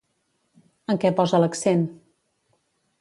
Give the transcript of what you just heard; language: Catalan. En què posa l'accent?